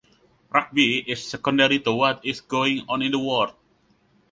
Rugby is secondary to what is going on in the world.